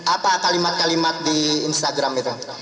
apa kalimat kalimat di instagram itu